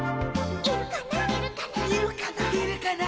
「いるかな」